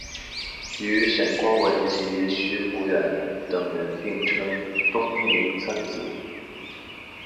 与沈光文及徐孚远等人并称东宁三子。